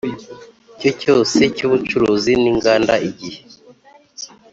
cyo cyose cy ubucuruzi n inganda igihe